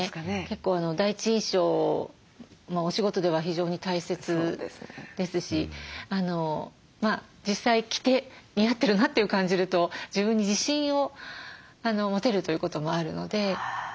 結構第一印象お仕事では非常に大切ですし実際着て似合ってるなと感じると自分に自信を持てるということもあるので。